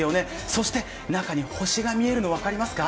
そして中に星が見えるの分かりますか？